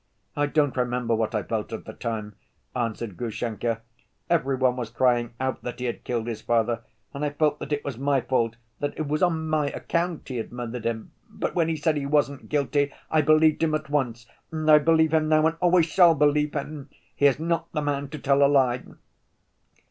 "I don't remember what I felt at the time," answered Grushenka. "Every one was crying out that he had killed his father, and I felt that it was my fault, that it was on my account he had murdered him. But when he said he wasn't guilty, I believed him at once, and I believe him now and always shall believe him. He is not the man to tell a lie."